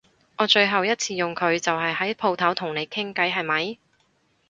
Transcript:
我最後一次用佢就係喺舖頭同你傾偈係咪？